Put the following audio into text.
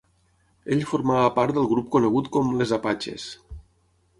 Ell formava part del grup conegut com "Les Apaches".